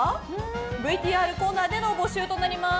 ＶＴＲコーナーでの募集となります。